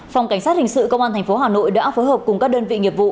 phòng cảnh sát hình sự công an tp hà nội đã phối hợp cùng các đơn vị nghiệp vụ